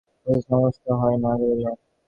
কোষাধ্যক্ষ রাজার আদেশানুসারে সমস্ত ফল আনয়ন করিল।